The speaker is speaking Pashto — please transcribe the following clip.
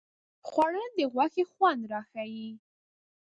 خوړل د غوښې خوند راښيي